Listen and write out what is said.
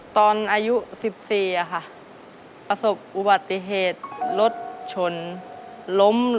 ตอนอายุ๑๔พาส่มอุบัติธส์รถชนล้ม